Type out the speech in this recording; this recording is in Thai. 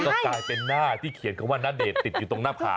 ก็กลายเป็นหน้าที่เขียนคำว่าณเดชน์ติดอยู่ตรงหน้าผาก